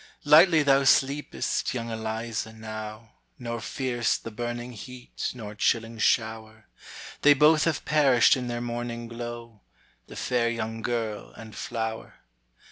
Lightly thou sleepest, young Eliza, now, Nor fear'st the burning heat, nor chilling shower; They both have perished in their morning glow, The fair young girl and flower.